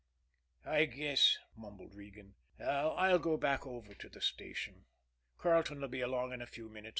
"I guess," mumbled Regan, "I'll go back over to the station. Carleton 'll be along in a few minutes.